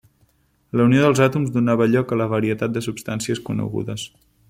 La unió dels àtoms donava lloc a la varietat de substàncies conegudes.